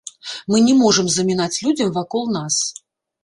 Мы не можам замінаць людзям вакол нас.